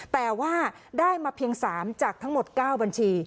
แต่ว่าได้มาเพียง๓จากทั้งหมด๙บัญชี